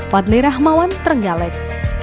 fadli rahmawan renggalek